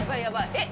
えっ？